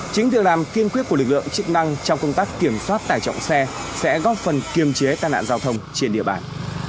chính việc làm kiên quyết của lực lượng chức năng trong công tác kiểm soát tải trọng xe sẽ góp phần kiềm chế tai nạn giao thông trên địa bàn